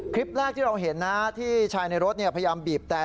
คลิปแรกที่เราเห็นนะที่ชายในรถพยายามบีบแต่